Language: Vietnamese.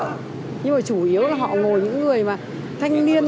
nhưng mà chủ yếu là họ ngồi những người mà thanh niên